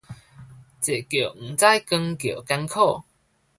坐轎毋知扛轎艱苦